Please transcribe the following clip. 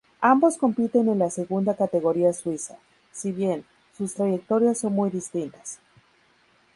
Ambos compiten en la segunda categoría suiza, si bien, sus trayectorias son muy distintas.